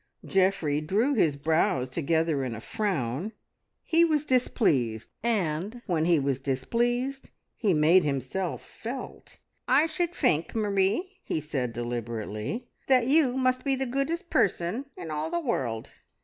Geoffrey drew his brows together in a frown. He was displeased, and when he was displeased he made himself felt. "I should fink, Marie," he said deliberately, "that you must be the goodest person in all the world."